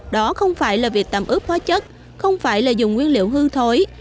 đó không phải là việc tạm ướp hóa chất không phải là dùng nguyên liệu hương thối